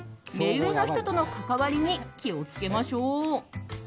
目上の人との関わりに気をつけましょう。